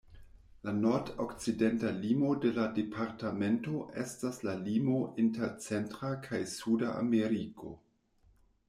La nordokcidenta limo de la departamento estas la limo inter Centra kaj Suda Ameriko.